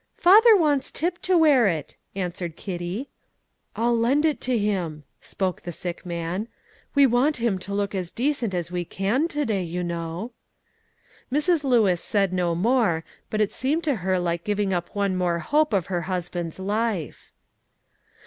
"Father wants Tip to wear it," answered Kitty. "I'll lend it to him," spoke the sick man; "we want him to look as decent as we can to day, you know." Mrs. Lewis said no more, but it seemed to her like giving up one more hope of her husband's life.